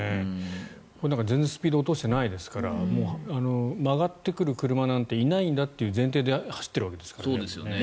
全然スピードを落としてないですから曲がってくる車なんていないと思って走っているわけですからね。